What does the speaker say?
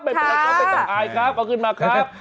เป็นต่างหายครับเอาขึ้นมาครับ